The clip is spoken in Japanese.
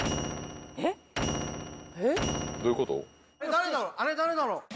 誰だろうあれ誰だろう。